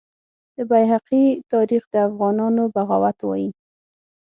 د بیهقي تاریخ د افغانانو بغاوت وایي.